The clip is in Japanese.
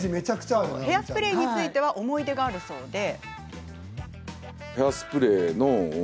「ヘアスプレー」については思い出があるそうで。